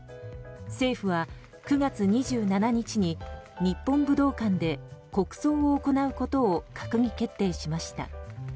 政府は９月２７日に日本武道館で国葬を行うことを閣議決定しました。